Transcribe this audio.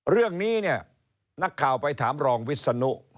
เรื่องนี้เนี่ยนักข่าวไปถามรองวิศนุ